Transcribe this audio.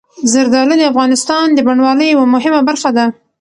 زردالو د افغانستان د بڼوالۍ یوه مهمه برخه ده.